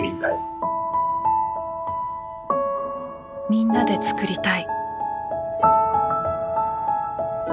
「みんなで創りたい」。